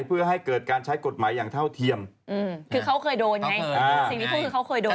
เพื่อให้เกิดการใช้กฎหมายอย่างเท่าเทียมคือเขาเคยโดนไงสิ่งที่พูดคือเขาเคยโดน